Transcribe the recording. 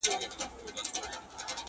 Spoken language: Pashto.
چي خبر سو جادوګرښارته راغلی.!